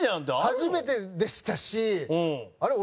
初めてでしたしあれ？